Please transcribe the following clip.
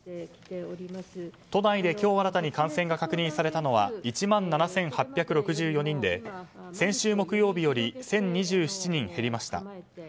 都内で今日新たに感染が確認されたのは１万７８６４人で先週木曜日より１０２７人減りました。